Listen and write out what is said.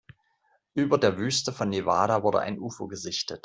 Über der Wüste von Nevada wurde ein Ufo gesichtet.